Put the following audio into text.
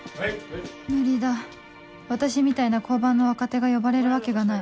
無理だ私みたいな交番の若手が呼ばれるわけがない